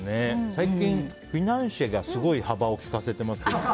最近、フィナンシェがすごい幅を利かせてますけど。